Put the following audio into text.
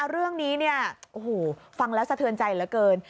เรื่องนี้ฟังแล้วสะเทือนใจเหลือเกิน